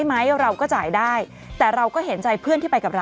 ครั้งที่แล้วบัตรไปแล้ว